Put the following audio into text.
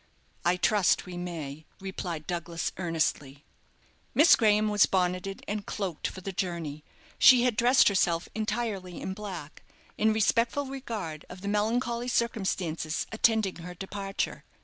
"I trust we may," replied Douglas, earnestly. Miss Graham was bonneted and cloaked for the journey. She had dressed herself entirely in black, in respectful regard of the melancholy circumstances attending her departure.